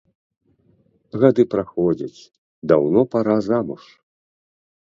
Гады праходзяць, даўно пара замуж.